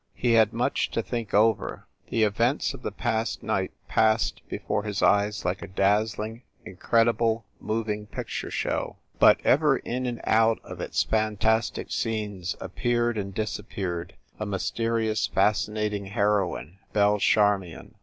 He had much to think over. The events of the past night passed before his eyes like a dazzling, in credible moving picture show, but ever in and out of its fantastic scenes appeared and disappeared a mysterious, fascinating heroine, Belle Charmion.